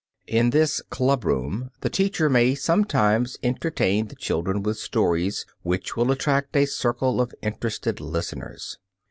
In this "club room" the teacher may sometimes entertain the children with stories, which will attract a circle of interested listeners.